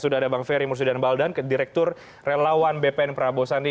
sudah ada bang ferry mursudan baldan direktur relawan bpn prabowo sandi